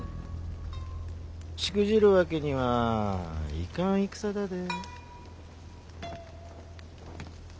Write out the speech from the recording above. しくじるわけにはいかん戦だで。